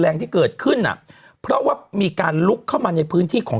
แรงที่เกิดขึ้นอ่ะเพราะว่ามีการลุกเข้ามาในพื้นที่ของ